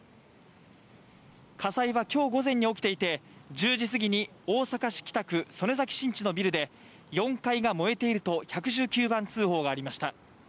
火災は今日午前に落ちていて、１０時すぎに大阪市北区曽根崎新地のビルで４階が燃えていると１１９番通報がありました。